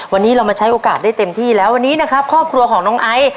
วันนี้เรามาใช้โอกาสได้เต็มที่แล้ววันนี้นะครับครอบครัวของน้องไอซ์